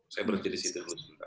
saya berdiri di situ